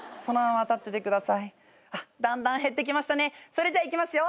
それじゃいきますよ